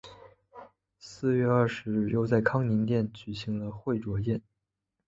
四月二十日又在康宁殿举行了会酌宴。